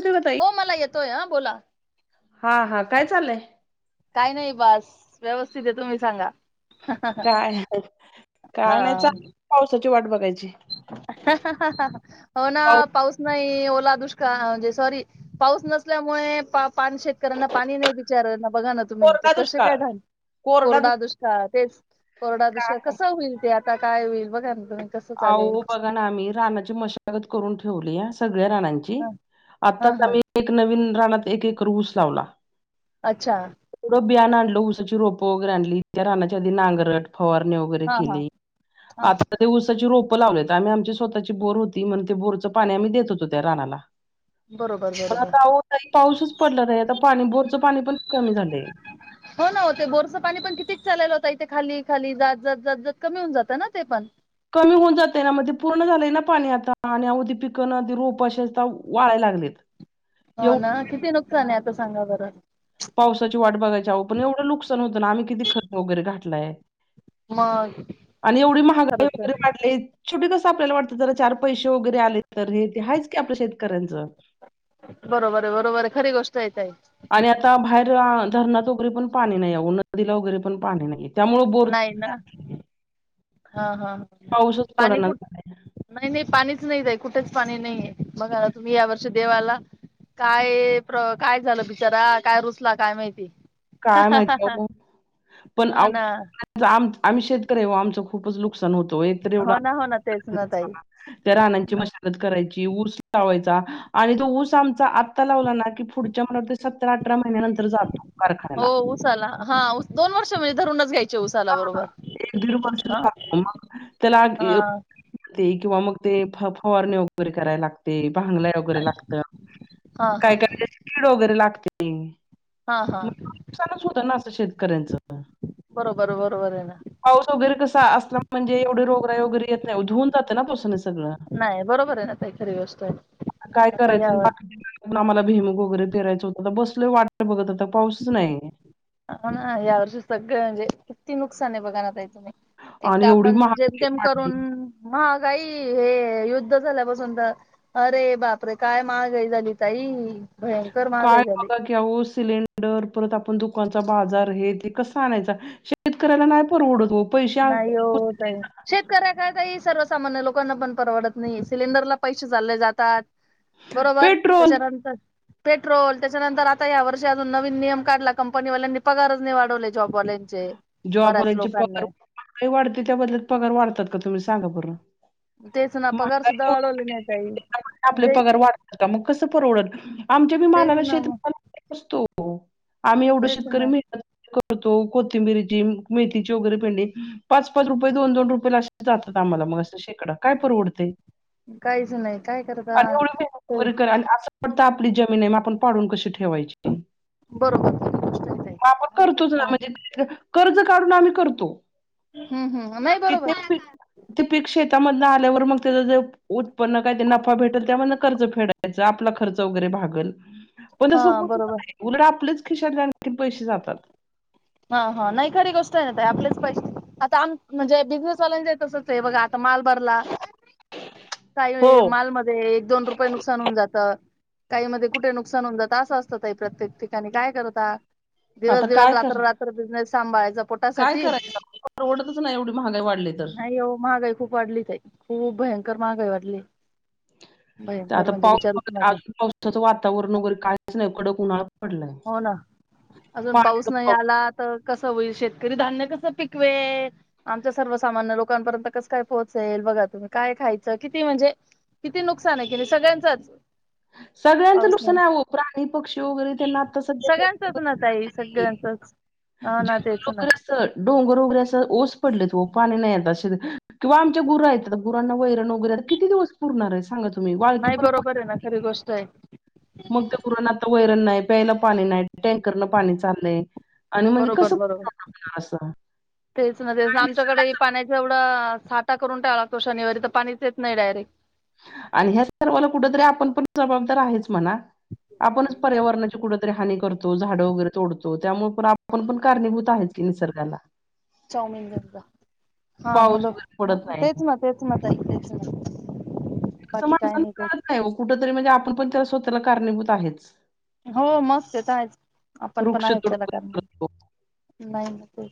त ब ताई. तोय ह बोला, हा हा काय चाललंय? काय नाही बास व्यवस्थित हे तुम्ही सांगा? काय, हा. काय नाही चाल पावसाची वाट बघायची. हो ना पाऊस नाही ओ ला दुष्काळ म्हणजे सॉरी पाऊस नसल्यामुळे पा पान शेतकऱ्यांना पाणी नाही बिचाऱ्यांना, बघा ना तुम्ही ते कोरडा कसे दुष्काळ काय घाल कोरडा दुष्काळ तेच कोरडा दुष्काळ कसा होईल ते आता काय होईल बघा ना तुम्ही कसं चालेल अहो बघा आम्ही रानाची मशागत करून ठेवलीया स गळ्या रानांची, ह हा आताच हा आम्ही एक नवीन रानात एक एकर ऊस लावला अच्छा एवढं बियान आणलं ऊसाची रोपं वगैरे आणली त्या रानाची आधी नांगरट फवारणी वगैरे हा हा केली हा आता ते उसाची रोप लावलेत आम्ही आमची स्वतची बोर होती म्हणून ते बोरचं पाणी आम्ही देत होतो त्या रानाला बरोबर बरोबर काहो ताई, पाऊसच पडला नाही. आता पाणी बोरचं पाणी पण कमी झालंय हो, ना हो, ते बोरसं पाणी पण किती चालयला ओ ताई ते खाली खाली जात, जात, जात, जात कमी होऊन जात ना ते पाणी कमी होऊन जातय ना म ते पूर्ण झालंय ना पाणी आता, आणि अव ते पिक नां ते रोप असे ताव वाळाय लागलेत. हो ना एवढं किती नुकसान आहे आता सांगा बरं? पावसाची वाट बघायच्या आओ पण एवढं नुकसान होतं ना आम्ही किती खत वगैरे घातलाय. मग एवढी महागाई खरंच वगैरे आहे वाढलीत. शेवटी कसं आपल्याला वाटतं जरा चार पैसे वगैरे आले, तर हे ते हायच की आपल्या शेतकऱ्यांचं. बरोबर हे, बरोबर हे खरी गोष्ट ये ताई आणि आता बाहेर धरणात वगैरे पण पाणी नाहीये, या उन्हात नदीला वगैरे पण पाणी नाहीये. त्यामुळे बोर नाही ना हा हा ह पाऊसच पाणी पडना कुठ झालाय नाही, नाही पाणीच नाही कुठेच पाणी नाहीये बघा तुम्ही या वर्षी देवाला काय प्र काय झालं बिचारा, काय रुसला काय माहिती. काय माहिती आहे पण हो ना म आम्ही शेतकरी हे ओ आमच खूपच नुक सान होतो एक तर एवढा हो ना हो ना तेच ना ताई त्या रानांची मशागत करायची ऊस लावाचा आणि तो ऊस आमचा, आता लावला ना की पुढच्या महिना सतरा अठरा महिन्यांतर जा हो उसाला, हा दोन वर्ष म्हणजे धरुूनच घ्यायची. ह एक दीड वर्ष झाल ना मग त्याला हा ते किंवा मग ते फ फवारणे वगैरे करायला लागते. भांगलाय वगैरे लागत हा हा काय, काय, कीड वगैरे लागते. हा हा मग नुकसानच होत ना असं शेतकऱ्यांच बरोबर आहे ना. पाऊस वगैरे कसा असला म्हणजे, एवढे रोग राई वगैर येत नाही धुऊन जातं ना पावसानच मग नाही बरोबर आहे ना ताई खरी गोष्ट आहे काय आता करायचं यावर बाकीचे आम्हाला भीमु गोगरे पेरायचं कूट बसलं वाट बघत आता पाऊसच नाहीय हा या वर्षी सगळं म्हणजे, किती नुकसान आहे बघा ना ताई. एक आणि तर एवढी आपण जेम महागाई तेम वाढली करून महाग ताई हे युद्ध झाल्यापासून तर अरे बापरे काय महागाई झाली ताई. भयंकर काय महागाई झाली. बघा की अहो सिलेिंडर परत आप आपण दुकानचा बाजार हे ते कसा आणायचा शेतकऱ्याला नाही परवडत ओ. पैसे आ- नाही ओ ताई शेतकऱ्या काय ताई इस सर्वसामान्य लोकांना पण परवडत नाही सिलेंडरला पैसे चालले जातात बरोबर पेट्रोल त्याच्यानंतर पेट्रोल त्याच्यानंतर आता या वर्षी अजून नवीन नियम काढला कंपनीवाल्यांनी पगारच नाही वाढवले जॉबवाल्यांचे बऱ्याच जॉबवाल्यांचे पगार लोकांना महागाई वाढते त्याबद्दल्यात पगार वाढतात का तुम्ही सांगा बर तेच ना पगार सुद्धा वाढवले नाही की ताई त्याच्यामध्ये आपले म्हणजे पगार वाढतात का मग कसं परवडल आमच्या बी तेच मालाला ना शेत मग भाव नसतो आम्ही एवढं तेच शेतकरी ना मेहनत होतो कोथिंबिरीची मेथीची वगैरे पेंडी पाच पाच रुपये दोन दोन रुपये लाअशी जातात आम्हाला मग असं शेकडा काय परवडतय काहीच नाही काय करता आणि एवढी मेहनत तर वैगरे करा असं वाटत आपली जमीन आहे मग आपण पाडून कशी ठेवू ठेवायची बरोबर तुझी गोष्ट आहे ताई मग आपण काय करतोच ना करता म्हणजे कर्ज काढून आम्ही करतो हम्म हम् नाही बरोबर त्यामधून आल्यावर मग त्याच जे उत्पन्न काय नफा भेटेल त्या कर्ज फेडायचं आपला खर्च वैगेरे भागलं पण तस हा होतच बरोबर नाही उलट आपलंच खिशातले आणखिन पैसे जातात हा हा नाही खरी गोष्ट आहे ताई आपलेच पैसे आता म्हणजे बिझनेसवाल्याच पण तसच आहे बघ आता माल भरला काही हो. वेळी मालमध्ये एक दोन रुपये नुकसान होऊन जात काही मध्ये कुठे नुकसान होऊन जात असं असतं तही प्रत्येक ठिकाणी काय करत दिवस आता दिवस काय कर रात्र रात्र बिझनेस सांभाळायचां काय पोटासाठी करायचं परवडतच नाही एवढी महागाई वाढली तर नाही हो महागाई खूप वाढली ताई खूप भयंकर महागाई वाढली तर भयंकर आता म्हणजे विचारूच पाऊस नका अजून पावसाचं वातावरण वगैरे काहीच नाही कडक उन्हाळा पडलाय. हो ना अजून पाऊस नाही आला तर कस होईल शेती शेतकरी धान्य कसं पिकवेल आमच्या सर्वसामान्य लोकांपर्यंत कसं काय पोहोचेल बघा तुम्ही काय खायच किती म्हणजे किती नुकसान आहे कि नाही सगळ्यांचंच सगळ्यांचं नुकसान आहे अहो प्राणी पक्षी वगैरे त्यांना आता सध्या सगळ्यांचच ना तई सगळ्यांचच हा ना जंगल तेच ना वैगेरे असं डोंगर वैगेरे असं ओस पडले ओ पाणी नशील येत किंवा आमच्या गुर आहेत आत्ता गुरांना वैरंण वैगेरे आत्ता किती दिवस पुरणार आहे सांगा तुम्ही वाळकी नाही पण बरोबर आहे ना खरी गोष्ट आहे मग त्या गुरांना आता वैरण नाही प्यायला पाणी नाही टँकरन पाणी चाललंय आणि म्हणजे बरोबर कसं पुरवठा बरोबर होणार असं तेच ना तेच काय आमच्याकडे निसर्गाचं पाण्याच एवढं साठा करून टाय लागतो शनिवारी तर पाणीच येत नाही डायरेक्ट आणि ह्या सर्वाला कुठतरी आपण पण जबाबदार आहेच म्हणा आपणच पर्यावरणाची कुरी हा करतो झाड वगैरे तोडतो त्यामुळे पण आपण पण कारणीभूत आहेत की निसर्गाला चाऊमिन घेऊन जा. हा पाऊस हॅलो वगैरे पडत नाही तेच म तेच मा तई तेच म ं माणसांना कळत नाही कुठ तरी म्हणजे आपण पण त्याला स्वतःला कारणीभूत आहेच हो मस्त येत आहे आपण पण वृक्ष आहेत तोडकं करतो. कलाकारणार नाही नाही ते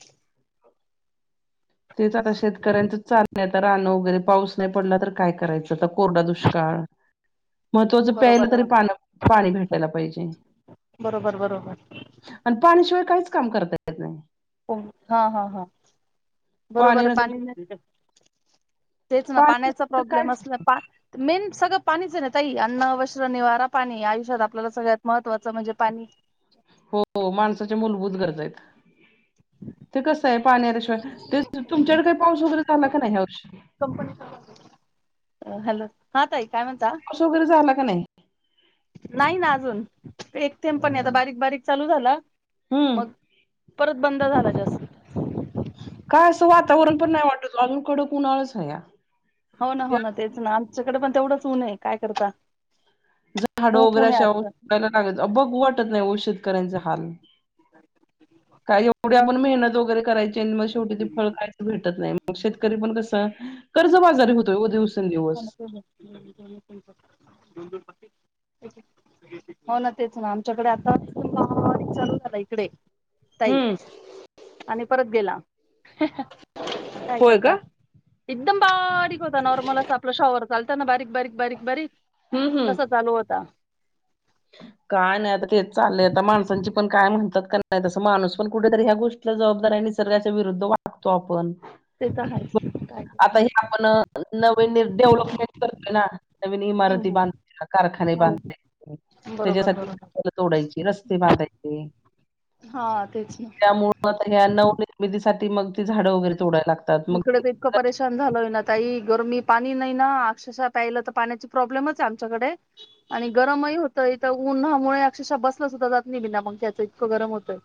तेच आता शेतकऱ्यांच चाल रानं वगैरे पाऊस नाही पडला तर काय करायचंता कोरडा दुष्काळ महत्त्वाचं प्यायला बरोबर तरी ना पा पाणी भेट ला पाहिजे बरोबर बरोबर आणि पाण्याशिवाय काहीच काम करता येत नाही हा हा हा बरोबर नसेल पाणी तर तेच ना पाणी पाण्याचा नसेल तर प्रॉब्लेम कायच असल मेन सगळं पाणीच नाही तई अन्न, वस्त्र, निवारा, पाणी आयुष्यात आपल्याला सगळ्यात महत्वाचं म्हणजे पाणी हो माणसाच्या मूलभूत गरजा आहेत. ते कसं आहे पाण्याशिवाय ते तुमच्याकडे काही पाऊस वगैरे झाला का नाही ह्यावर्षी अ हॅ असं वगैरे झाला का नाही? नाही ना अजून एकथेमपणी आता बारीक बारीक चालू झाला. हम्म मग परत बंद झाला जास्त का असं वातावरण पण नाही वाटत अजून कडक उणाळच आहे या हो ना हो ना तेच ना आमच्याकडे पण तेवढंच होऊ नये काय करता. जर झाड खूप ऊन वगैरे आहे अ आज तर औयला लागत बघ वाटत नाही औषध कयचे हाल ह काय एवढी आपण मेहनत वगैरे करायची, मग शेवटी ते फळ काहीच भेटत नाही मग शेतकरी पण कसं कर्जबाजारी होतोय ओ दिवसेंदिवस. [unintelligible] हो ना तेच ना आमच्याकडे आता चालू झाला इकडे ताई हम्म आणि परत गेला. काय होय करता का? एकदम बारीक होता नॉर्मल अस आपलं शॉवर चालताना बारीक बारीक बारीक बारीक हम्म हम्म. तसा चालू होता. काय नाही आता तेच चाललंय आता माणसांची पण काय म्हणतात का नाही तस माणूस पण कुठेेतरी ह्या गोष्टीला जबाबदारी आहे. निसर्गाच्या विरुद्ध वागतो आपण ते तर आहे का आता हे आपण नवीन डेव्हलपमेंट करतोय ना नवीन इमारती हम्म बांधो कारखाने हम्म हो बरोबर त्याच्यासाठी बरोबर तोडायची रस्ते बांधायचे हा तेच ना त्यामुळ आता ह्या नवनिर्मितीसाठी मग ती झाडं वगैरे तोडायला लागतात इकडे तर इतकं मग परेशान झालं होय ना तई गरमी पाणी नाही ना अक्षश प्यायलं तर पाण्याची प्रॉब्लेमच आहे आमच्याकडे आणि गरमही होत इथ पुन्हामुळे अक्षरशः बस सुद्धा जात नाही बिना मग त्याच इतकं गरम होतंय.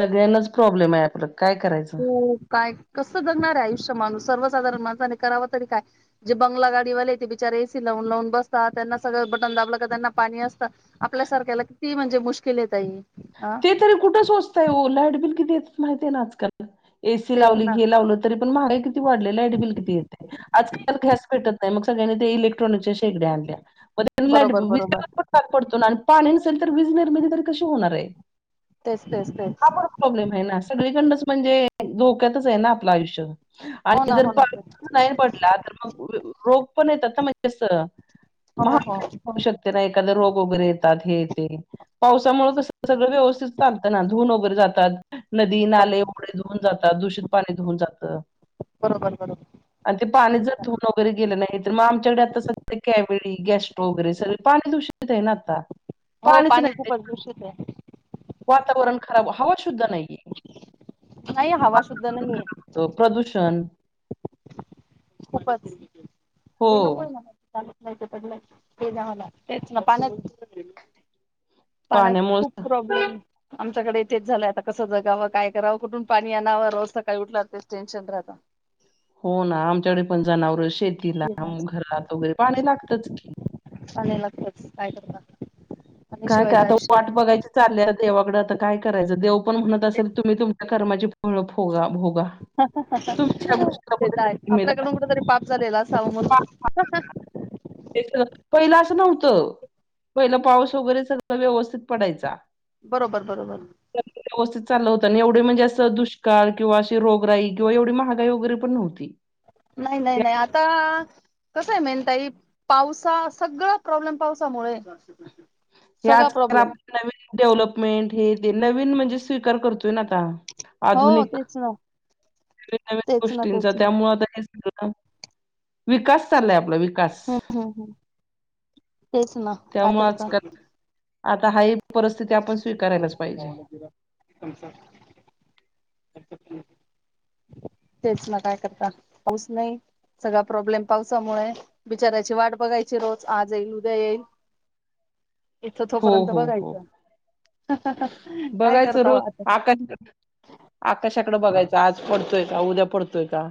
सगळ्यांनाच प्रॉब्लेम आहे प्रत्य हो काय कस? जगणार आहे आयुष्य माणूस सर्वसाधण माणसा करावा तरी काय जे बंगला गाडीवाले ते बिचार एसी लाव बसता त्यांना सगळं बटन दाबलं त्यांना पाणी असत आपल्यासारख्याला किती म्हणजे मुशकील ये ताई अ ते तरी कुठं सोचताय लॅटबिल किती येत माहितीय आहे ना आजकाल एसी तेच लावली ना घे लावलं तरी पण महागा किती वाढले लाईटबिल किती येते आजकाल घॅस भेटत नाही मग इलेक्ट्रॉनिक शेगड्या आणल्या बरोबर बरोबर [inaudible] पड पाणी नसेल तर वीज नििर्मिती तरी कशी होणार आहे. तेच तेच हा तेच प प्रॉब्लेम आहे ना सगळीकडच म्हणजे धोक्यातच आहे ना आपलं आयुष्य. हो आणि ना जर हो ना तेच पाऊस नाही पडला तर मग रोग पण येतात ना. म्हणजे असं हो महा हो होऊ शकते ना एखाद रोग वगैरे येतात हे येते पावसामुळे कस जातात नदी नाले बरोबर ढ धुऊन जातात दूषित पाणी धुऊन जात बरोबर बरोबर. आणि ते पाणी जर धुवन वगैरे गेलं नाही तर मग आमच्या कडे आता सध्या कविळी, गॅस्ट्रो वगैरे सगळ पाणी धु [unintelligible] आहे ना आता, हो पाणी खूपच दुषित आहे. वातवरण खराब हवच शुद्ध नाहीये नाही हवा शुद्ध नाहीये [unintelligible] प्रदूषण. खूपच हो ते नकोय मला नाही तो पडलाय. ते दहाला तेच ना पाण्यात पाण्यात खूप पाण्यामुळे प्रॉब्लेम आमच्याकडे तेच झालंय आता कसं जगावं, काय करावं, कुठून पाणी आणावं, रोज सकाळी उठल्यावर तेच टेन्शन राहतं [inaudible] हो. ना, आमच्याकडे पण जनावरं शेतीला, घरात वगैरे पाणी लागतंच की. बस- काय -करता. काय -काय पाण्याशिवायचं आता आयुष्य वाट नाही हो बघायची चाललय देवाकडे. आता काय करायचं देव पण म्हणत तेच असेल तुम्ही तुम्हाला कर्माची फळं- फोगा. भोगा [inaudible] ते तुमच्या गोष्टीला तर कुठेतरी आहेच. जिम्मेदार आपल्याकडून कुठ आहे. तरी पाप झालेला असावं पा- म्हणून. पा- स [unintelligible] -पहिलं असं नव्हतं, पहिला पाऊस वगैरे सगळं व्यवस्थित पडायचा. बरोबर -बरोबर. सगळं व्यवस्थित चाललं होतं आणि एवढं म्हणजे अस दुष्काळ किंवा अशी रोगराई किंवा एवढी महागाई वगैरे पण नव्हती. नाही- नाही हे -नाही आ आता कसं आहे माहितेय ताई, पावसा -सगळं प्रॉब्लेम पावसामुळे ए. हे आजकाल- आपलं नवीन डेव्हलपमेंट हे नवीन म्हणजे स्वीकार करतोय ना आता. हो आधुनिक तेच ना [unintelligible] नवीन -नवीन तेच ना गोष्टींचा तेच ना त्यामुळे आता हे सगळ [inaudible] विकास चाललाय आपला वि हम्म -हम्म -हम्म तेच ना काय त्यामुळे करताय? आजकाल आता हाय- हि परिस्थिती आपण स्वीकारायलाच पाहिजे. तेच ना काय करता? पाऊस नाही सगळा प्रॉब्लेम पावसामुळेय. बिचाऱ्याची वाट बघायची. रोज आज येईल- उद्या येईल. इथं हो तोपर्यंत हो हो बघायचं. काय बघायचं करता रोज आता आकाश- आकाश त्याच्याकडं बघायचं आज पडतोय का उद्या पडतोय का.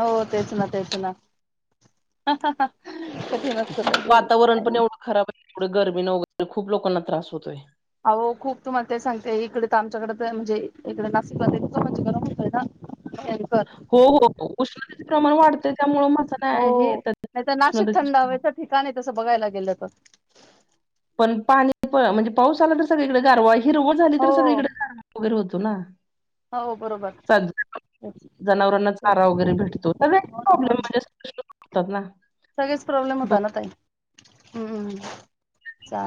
हो तेच ना तेच ना. [inaudible] असतं ताई [inaudible] खूप वातावरण काय पण नाही एवढं खराब आहे. एवढं गर्मीन वगैरे खूप लोकांना त्रास होतोय. अहो खूप तुम्हाला ते सांगते इकडे तर आमच्याकडे- म्हणजे इकडे [inaudible] नाशिकला म्हणजे इतकं गरम होतंय ना. भयंकर हो- हो उष्णतेचे प्रमाण वाढत त्यामुळे हो माणसांनाहे येतात नाही तर नाशिक थंड हवेच ठिकाण तसं बघायला गेलं तर. पण पाणी प- म्हणजे पाऊस आला तर सगळीकडे गारवा हिरवळ झाली तर हो सगळीकडे गारवा वगैरे होत होतो ना हो बरोबर. चा- तेच जनावरांना तेच चारा वगैरे भेटतो. हो ना हो प्रॉब्लेम ना म्हणजे [unintelligible] ना सगळेच प्रॉब्लेम होता ना ताई. हम्मम्...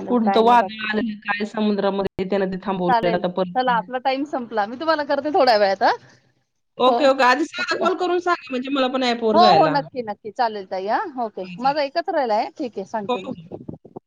कोणतं वादळ [unintelligible] आलं काय समुद्रामध्ये? त्यानं ते थांबवलेलं चालेल आता चला परत आपला टाईम संपला मी तुम्हाला करते थोड्या वेळात ह. हो ओके ओके आधी साधा कॉल करून सांगा म्हणजे मला पण ऍपवर -हो -हो जायला नक्की नक्की चालेल जाई ह ओके. माझा एकच राहिलाय ठीक आहे हो सांगते हो. मी. [inaudible]